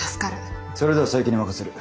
それでは佐伯に任せる。